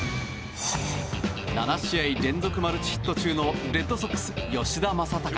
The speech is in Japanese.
７試合連続マルチヒット中のレッドソックス、吉田正尚。